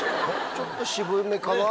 ちょっと渋めかな？